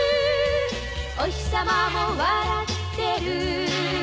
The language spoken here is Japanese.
「おひさまも笑ってる」